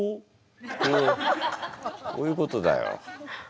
こういうことだよ。